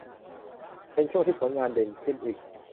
เป็นช่วงที่ผลงานเด่นขึ้นอีก